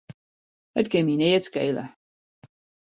It kin my neat skele.